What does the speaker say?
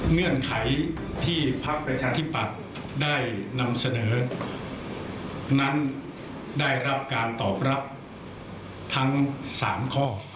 เงื่อนไขที่พักประชาธิปัตย์ได้นำเสนอนั้นได้รับการตอบรับทั้ง๓ข้อ